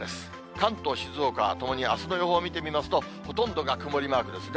関東、静岡はともにあすの予報見てみますと、ほとんどが曇りマークですね。